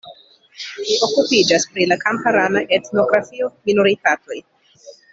Li okupiĝas pri la kamparana etnografio, minoritatoj.